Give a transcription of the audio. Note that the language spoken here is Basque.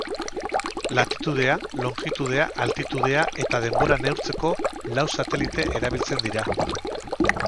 Latitudea, longitudea, altitudea eta denbora neurtzeko, lau satelite erabiltzen dira.